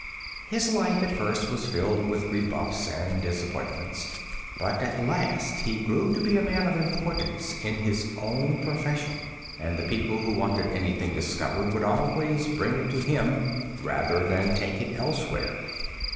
His life at first was filled with rebuffs and disappointments, but at last he grew to be a man of importance in his own profession, and the people who wanted anything discovered would always bring it to him rather than take it elsewhere.